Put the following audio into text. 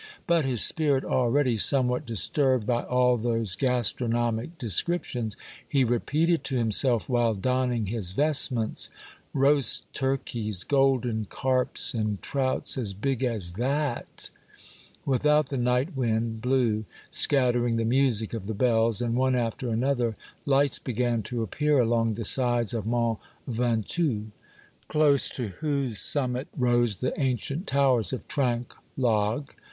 But, his spirit already somewhat disturbed by all those gastro 26o Monday Tales, nomic descriptions, he repeated to himself while donning his vestments, —" Roast turkeys, golden carps, and trouts as big as that !" Without, the night wind blew, scat tering the music of the bells, and one after another, lights began to appear along the sides of Mont Ventoax, close to whose summit rose the ancient towers of Trinquelague.